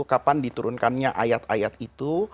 kapan diturunkannya ayat ayat itu